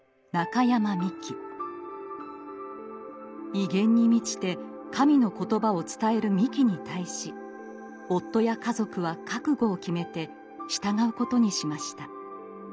威厳に満ちて神の言葉を伝えるミキに対し夫や家族は覚悟を決めて従うことにしました。